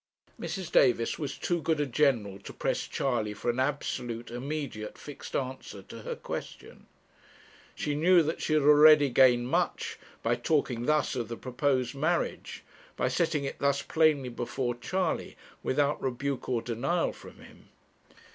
Mrs. Davis was too good a general to press Charley for an absolute, immediate, fixed answer to her question. She knew that she had already gained much, by talking thus of the proposed marriage, by setting it thus plainly before Charley, without rebuke or denial from him.